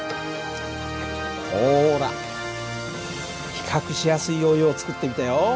ほら比較しやすいヨーヨーを作ってみたよ。